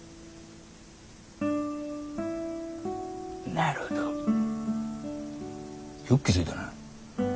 なるほどよく気付いたな。